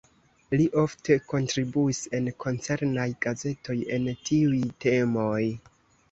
Li ofte kontribuis en koncernaj gazetoj en tiuj temoj.